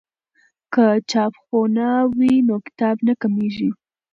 که چاپخونه وي نو کتاب نه کمېږي.